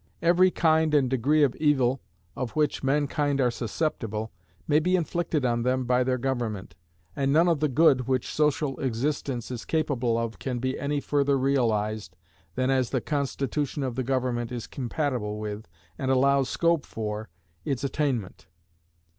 Every kind and degree of evil of which mankind are susceptible may be inflicted on them by their government, and none of the good which social existence is capable of can be any further realized than as the constitution of the government is compatible with, and allows scope for, its attainment.